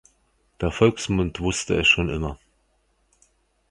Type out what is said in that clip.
Der Volksmund wußte es schon immer.